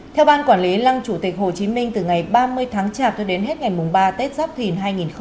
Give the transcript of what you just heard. theo ban quản lý lăng chủ tịch hồ chí minh từ ngày ba mươi tháng chạp cho đến hết ngày mùng ba tết giáp thìn hai nghìn hai mươi bốn